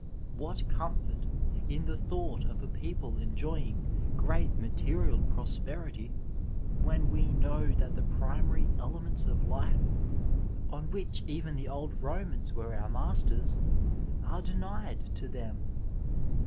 What comfort in the thoi^b^ of a peiople enjoying great material prosperity when we know that the primary elements of life (on which even the old Romans were our masters) are denied to them?